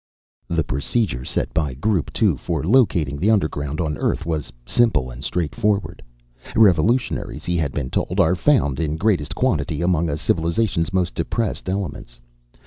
The procedure set by Group Two for locating the underground on Earth was simple and straightforward. Revolutionaries, he had been told, are found in greatest quantity among a civilization's most depressed elements.